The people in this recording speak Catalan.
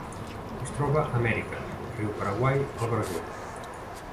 Es troba a Amèrica: riu Paraguai al Brasil.